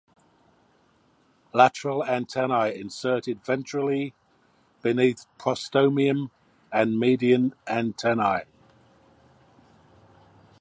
Lateral antennae inserted ventrally (beneath Prostomium and median antenna).